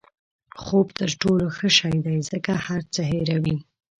خوب تر ټولو ښه شی دی ځکه هر څه هیروي.